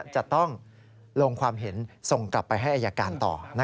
จะต้องลงความเห็นส่งกลับไปให้อายการต่อ